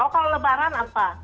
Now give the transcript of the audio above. kalau lebaran apa